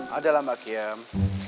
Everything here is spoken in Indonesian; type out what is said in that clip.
ada lah mbak kiem